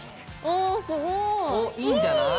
おっいいんじゃない？